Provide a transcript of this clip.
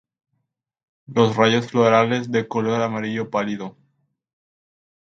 Los rayos florales de color amarillo pálido.